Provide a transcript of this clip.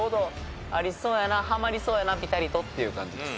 はまりそうやなピタリとっていう感じです。